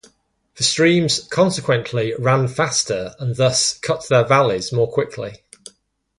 The streams consequently ran faster and thus cut their valleys more quickly.